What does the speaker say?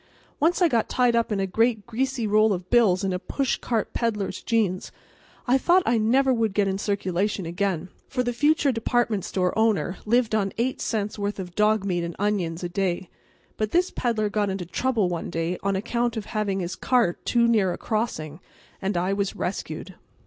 Once I got tied up in a great greasy roll of bills in a pushcart peddler's jeans. I thought I never would get in circulation again, for the future department store owner lived on eight cents' worth of dog meat and onions a day. But this peddler got into trouble one day on account of having his cart too near a crossing, and I was rescued.